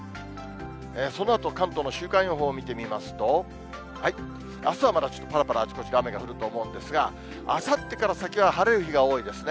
そのあと関東の週間予報を見てみますと、あすはまだちょっとぱらぱらあちこちで雨が降ると思うんですが、あさってから先は晴れる日が多いですね。